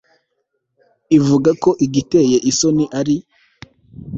ivuga ko igiteye isoni ari